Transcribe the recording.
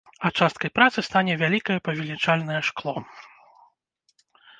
А часткай працы стане вялікае павелічальнае шкло.